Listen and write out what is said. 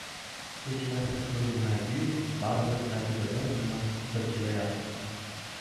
Hech narsa ko‘rinmaydi-yu, baribir tagida bir nima tipirchilayapti.